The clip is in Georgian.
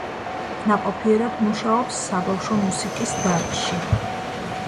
ნაყოფიერად მუშაობს საბავშვო მუსიკის დარგში.